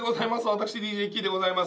私ＤＪイッキーでございます。